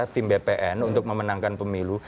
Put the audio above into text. tim bpn untuk memenangkan pemilu